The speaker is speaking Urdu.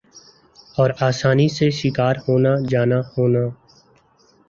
اور آسانی سے شکار ہونا جانا ہونا ۔